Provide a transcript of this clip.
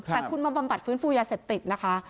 แต่คุณมาบำบัดฟื้นฟูยาเสพติดนะคะ